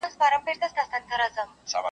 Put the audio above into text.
پک که ډاکتر وای اول به یې د خپل سر علاج کړی وای